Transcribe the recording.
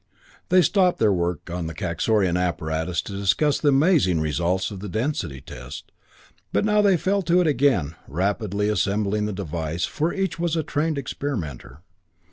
They stopped their work on the Kaxorian apparatus to discuss the amazing results of the density test, but now they fell to again, rapidly assembling the device, for each was a trained experimenter.